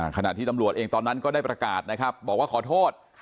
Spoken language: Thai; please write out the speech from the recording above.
ขณะที่ตำรวจเองตอนนั้นก็ได้ประกาศนะครับบอกว่าขอโทษ